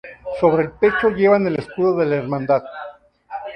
Sobre el pecho llevan el escudo de la Hermandad.